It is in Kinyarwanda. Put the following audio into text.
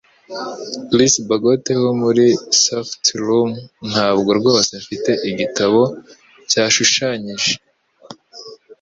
Chris Bagot wo muri Softroom 'Ntabwo rwose mfite igitabo cyashushanyije.